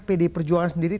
pdi perjuangan sendiri